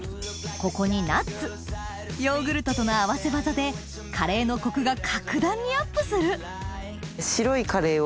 ここにナッツヨーグルトとの合わせ技でカレーのコクが格段にアップする白いカレーを。